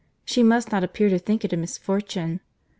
She must not appear to think it a misfortune.